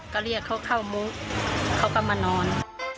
ก็เรียกเขาเข้ามุกเขาก็มานอน